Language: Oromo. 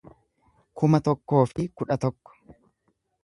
kuma tokkoo fi kudha tokko